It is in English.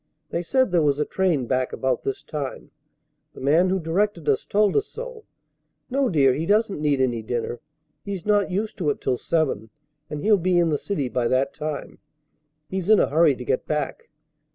They said there was a train back about this time. The man who directed us told us so. No, dear, he doesn't need any dinner. He's not used to it till seven, and he'll be in the city by that time. He's in a hurry to get back.